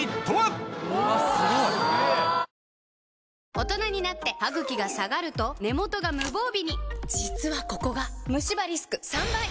大人になってハグキが下がると根元が無防備に実はここがムシ歯リスク３倍！